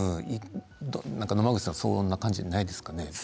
野間口さんそんな感じないですか？